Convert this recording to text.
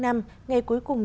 ngày cuối cùng